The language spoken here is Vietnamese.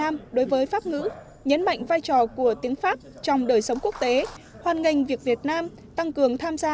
mạnh vai trò của tiếng pháp trong đời sống quốc tế hoàn ngành việc việt nam tăng cường tham gia